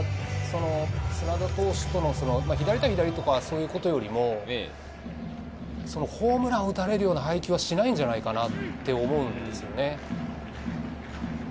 砂田投手との左対左、そういうことよりもホームランを打たれるような配球はしないんじゃないかなって思うんですよね。